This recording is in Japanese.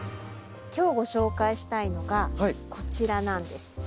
今日ご紹介したいのがこちらなんです。